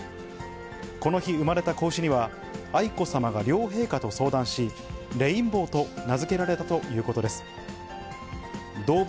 この日、産まれた子牛には、愛子さまが両陛下と相談し、レインボーと名付けられたということです。